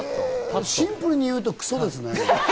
シンプルに言うとクソですね。